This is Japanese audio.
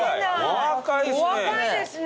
お若いですね。